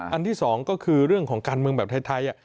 อันที่สองก็คือเรื่องของการเมืองแบบไทย